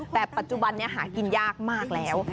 แต่ปัจจุบันนี้หากินยากมากแล้ว